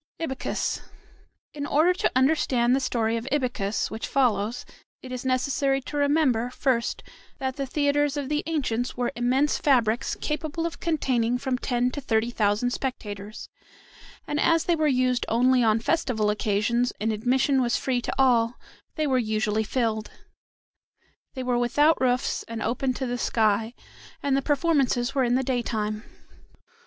IBYCUS In order to understand the story of Ibycus which follows it is necessary to remember, first, that the theatres of the ancients were immense fabrics capable of containing from ten to thirty thousand spectators, and as they were used only on festival occasions, and admission was free to all, they were usually filled. They were without roofs and open to the sky, and the performances were in the daytime.